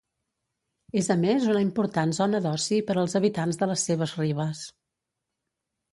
És a més una important zona d'oci per als habitants de les seves ribes.